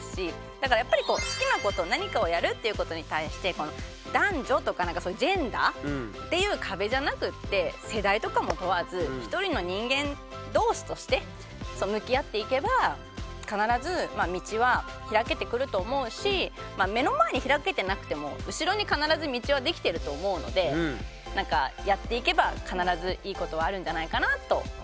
だからやっぱり好きなこと何かをやるっていうことに対して男女とかジェンダーっていう壁じゃなくって世代とかも問わず一人の人間同士として向き合っていけば必ず道は開けてくると思うし目の前に開けてなくても後ろに必ず道はできてると思うのでやっていけば必ずいいことはあるんじゃないかなと思います。